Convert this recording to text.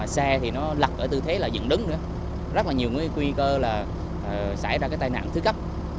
xe thì nó lật ở tư thế là dừng đứng nữa rất là nhiều nguy cơ là xảy ra cái tai nạn thứ cấp